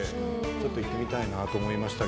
ちょっと行ってみたいなと思いました。